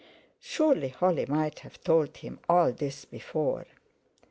Surely Holly might have told him all this before!